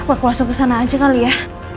aku langsung kesana aja kali ya